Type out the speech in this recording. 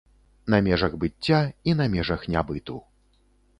На межах быцця і на межах нябыту.